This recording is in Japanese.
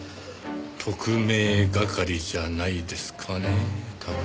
特命係じゃないですかね多分。